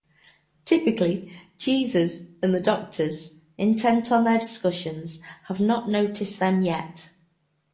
Typically, Jesus and the doctors, intent on their discussions, have not noticed them yet.